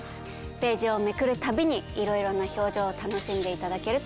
ページをめくるたびに色々な表情を楽しんでいただけると思います。